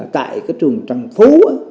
tại trường trần phú